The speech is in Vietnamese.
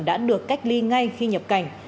đã được cách ly ngay khi nhập cảnh